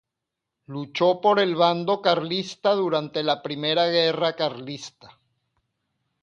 Luchó por el bando carlista durante la Primera Guerra Carlista.